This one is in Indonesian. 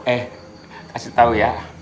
eh kasih tau ya